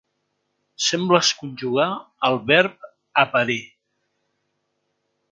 Sembles conjugar el verb aparer.